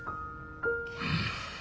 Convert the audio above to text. うん。